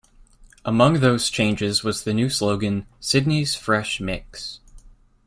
Among those changes was the new slogan "Sydney's Fresh Mix".